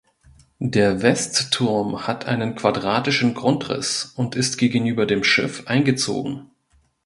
Der Westturm hat einen quadratischen Grundriss und ist gegenüber dem Schiff eingezogen.